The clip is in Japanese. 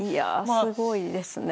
すごいですね。